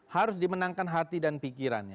harus dimenangkan hati dan pikirannya